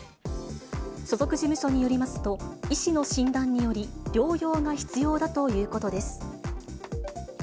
所属事務所によりますと、医師の診断により、療養が必要だということです。